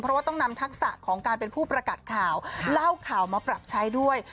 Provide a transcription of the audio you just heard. เพราะว่าต้องนำทักษะของการเป็นผู้ประกัดข่าวเล่าข่าวมาปรับใช้ด้วย